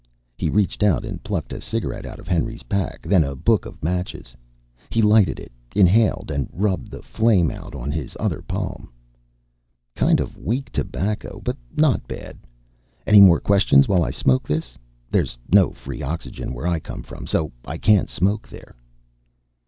He reached out and plucked a cigarette out of Henry's pack, then a book of matches. He lighted it, inhaled, and rubbed the flame out on his other palm. "Kind of weak tobacco, but not bad. Any more questions while I smoke this? There's no free oxygen where I come from, so I can't smoke there."